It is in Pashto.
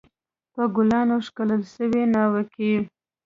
په ګلانو ښکلل سوې ناوکۍ